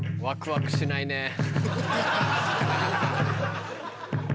ワクワクしないね。